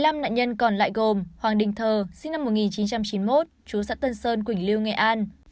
năm nạn nhân còn lại gồm hoàng đình thờ sinh năm một nghìn chín trăm chín mươi một chú xã tân sơn quỳnh lưu nghệ an